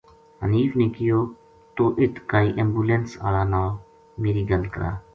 حینف نے کہیو توہ اِت کائی ایمبولینس ہالا نال میری گل کرا